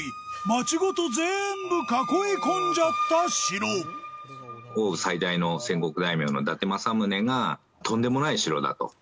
街ごと全部囲い込んじゃった城奥羽最大の戦国大名の伊達政宗がとんでもない城だと。